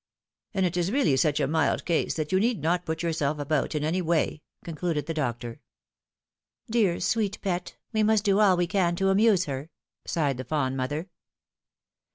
" And it is really such a mild case that you need not put yourself about in any way," concluded the doctor. " Dear, sweet pet, we must do all we can to amuse her," sighed the fond mother.